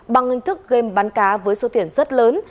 bằng hình thức game bắn cá với số tiền rất lớn